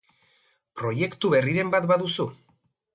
Proiektu berriren bat baduzu?